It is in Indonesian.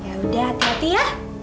yaudah hati hati ya